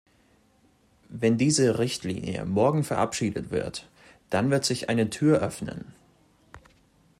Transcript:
Wenn diese Richtlinie morgen verabschiedet wird, dann wird sich eine Tür öffnen.